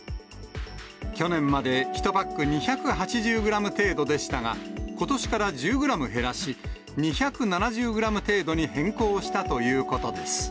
去年まで１パック２８０グラム程度でしたが、ことしから１０グラム減らし、２７０グラム程度に変更したということです。